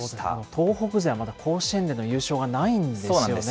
東北勢はまだ甲子園での優勝がないんですよね。